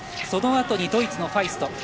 そのあとにドイツのファイスト。